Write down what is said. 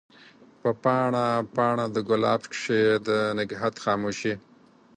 په پاڼه ، پاڼه دګلاب کښي د نګهت خاموشی